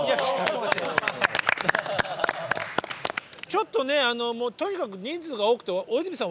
ちょっとねとにかく人数が多くて大泉さん分かりませんから。